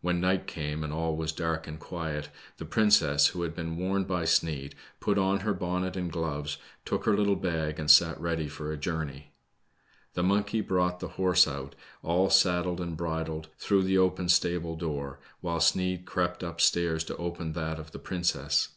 When night came, and all was dark and quiet, the princess, who had been warned by Sneid, put on her bonn.et and gloves, took her little bag, and sat ready for a journey. The monkey brought the horse out, all saddled and bridled, through the open stable door, while Sneid crept up stairs to open that of the princess.